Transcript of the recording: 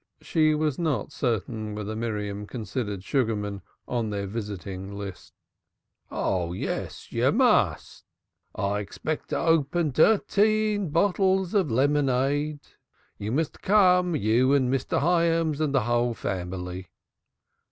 She was not certain whether Miriam considered Sugarman on their visiting list. "Don't say dat, I expect to open dirteen bottles of lemonade! You must come, you and Mr. Hyams and the whole family."